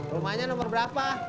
rumahnya nomor berapa sepuluh